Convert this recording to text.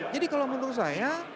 jadi kalau menurut saya